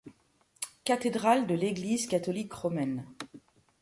Cathédrales de l'Église catholique romaine.